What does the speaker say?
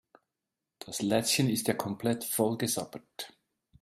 Das Lätzchen ist ja komplett vollgesabbert.